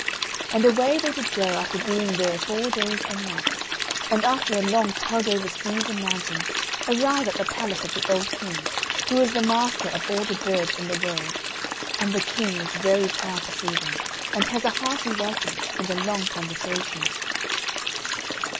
And away they did go, after being there four days and nights; and after a long tug over seas and mountains, arrive at the palace of the old King, who is the master of all the birds in the world. And the King is very proud to see them, and has a hearty welcome and a long conversation.